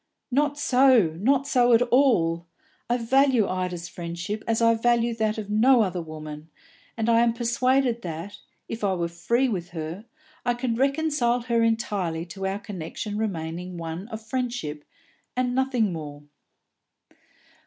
"Not so, not so at all! I value Ida's friendship as I value that of no other woman, and I am persuaded that, if I were free with her, I could reconcile her entirely to our connection remaining one of friendship, and nothing more."